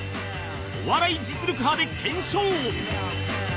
『お笑い実力刃』で検証